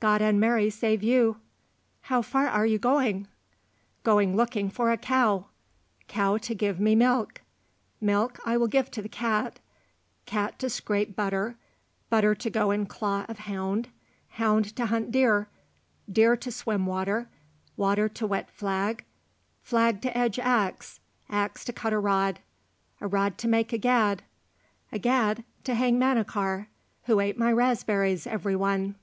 "God and Mary save you." "How far are you going?" "Going looking for a cow, cow to give me milk, milk I will give to the cat, cat to scrape butter, butter to go in claw of hound, hound to hunt deer, deer to swim water, water to wet flag, flag to edge axe, axe to cut a rod, a rod to make a gad, a gad to hang Manachar, who ate my raspberries every one."